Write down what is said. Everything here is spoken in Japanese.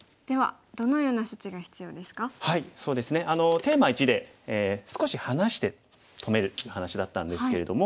テーマ１で少し離して止めるって話だったんですけれども。